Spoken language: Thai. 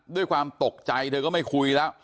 ด้วยความตกใจเธอก็ไม่คุยแล้ว